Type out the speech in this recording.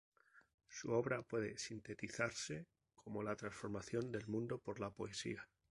Toda su obra puede sintetizarse como la transformación del mundo por la poesía.